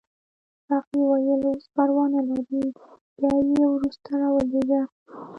ساقي وویل اوس پروا نه لري بیا یې وروسته راولېږه.